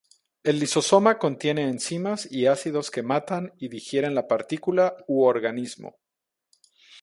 El lisosoma contiene enzimas y ácidos que matan y digieren la partícula u organismo.